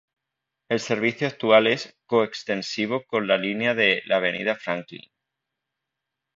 El servicio actual es co-extensivo con la línea de la Avenida Franklin.